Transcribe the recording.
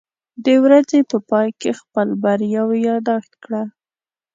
د ورځې په پای کې خپل بریاوې یاداښت کړه.